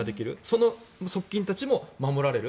その側近たちも守られる。